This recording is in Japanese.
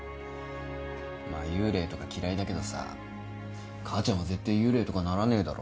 まあ幽霊とか嫌いだけどさ母ちゃんは絶対幽霊とかならねえだろ。